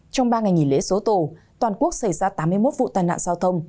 trong ba ngày nghỉ lễ số tổ toàn quốc xảy ra tám mươi một vụ tai nạn giao thông